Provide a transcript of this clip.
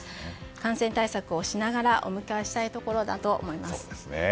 感染対策をしながらお迎えしたいところだと思います。